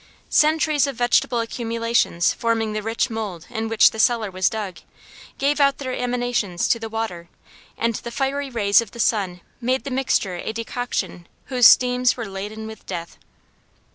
Centuries of vegetable accumulations forming the rich mould in which the cellar was dug, gave out their emanations to the water, and the fiery rays of the sun made the mixture a decoction whose steams were laden with death.